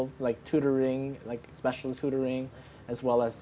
seperti tutoring tutoring khusus